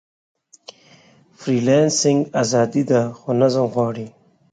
فریلانسنګ ازادي ده، خو نظم غواړي.